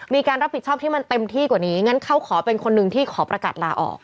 มีการรับผิดชอบที่มันเต็มที่กว่านี้งั้นเขาขอเป็นคนหนึ่งที่ขอประกาศลาออก